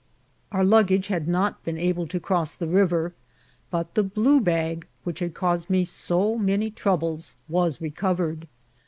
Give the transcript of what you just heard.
Our luggage had not been able to cross the river, but the Uue bag whidi had caused me so many troubles vras recovered.